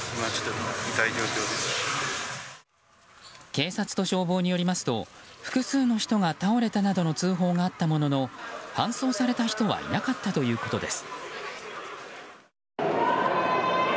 警察と消防によりますと複数の人が倒れたなどの通報があったものの搬送された人はいなかったということです。